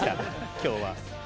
今日は。